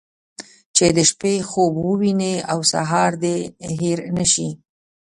چې د شپې خوب ووينې او سهار دې هېر نه شي.